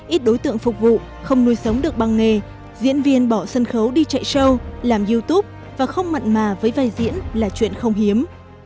ít đối tượng phục vụ không nuôi sống được bằng nghề diễn viên bỏ sân khấu đi chạy show làm youtube và không mặn mà với vai diễn là chuyện không hiếm